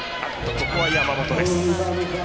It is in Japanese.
ここは山本です。